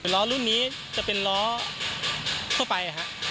ล้อรุ่นนี้จะเป็นล้อทั่วไป